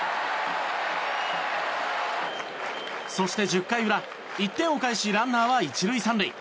そして１０回裏１点を返しランナーは１塁３塁。